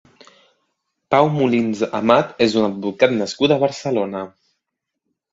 Pau Molins Amat és un advocat nascut a Barcelona.